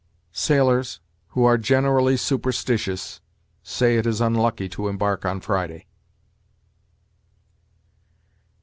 "Sailors, who are generally superstitious, say it is unlucky to embark on Friday."